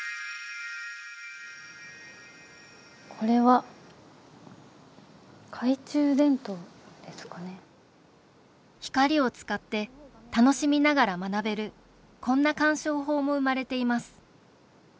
これは光を使って楽しみながら学べるこんな鑑賞法も生まれています